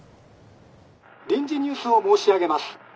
「臨時ニュースを申し上げます。